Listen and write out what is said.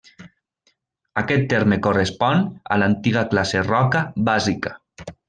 Aquest terme correspon a l'antiga classe roca bàsica.